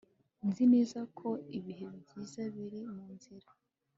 Nzi neza ko ibihe byiza biri munzira